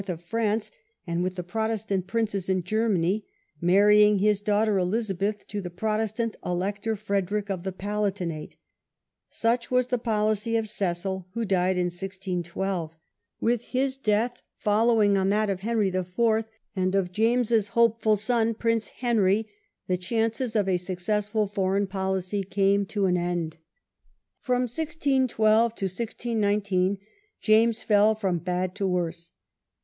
of France, and with the Protestant princes in Germany, marrying his daughter Elizabeth to the Protestant Elector Frederick of the Palatinate. Such was the policy of Cecil, who died in 161 2. With his death, following on that of Henry IV., and of James's (e«2) ' B 12 THE ROYAL PEACEMAKER. hopeful son, Prince Henry, the chances of a successful foreign policy came to an end. From 1612 to 1619 James fell from bad to worse.